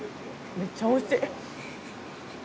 めちゃくちゃおいしい。